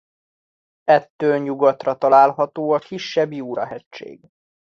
Ettől nyugatra található a kisebb Jura-hegység.